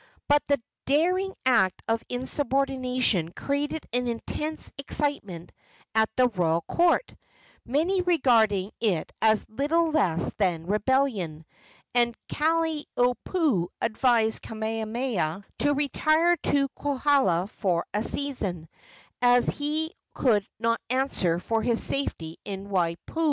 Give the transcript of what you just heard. But the daring act of insubordination created an intense excitement at the royal court, many regarding it as little less than rebellion, and Kalaniopuu advised Kamehameha to retire to Kohala for a season, as he could not answer for his safety in Waipio.